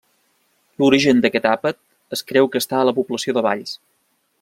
L'origen d'aquest àpat es creu que està a la població de Valls.